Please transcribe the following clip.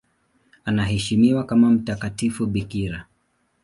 Anaheshimiwa kama mtakatifu bikira.